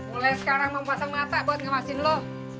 mulai sekarang mau pasang mata buat ngemasin lo